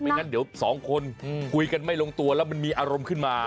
งั้นเดี๋ยวสองคนคุยกันไม่ลงตัวแล้วมันมีอารมณ์ขึ้นมา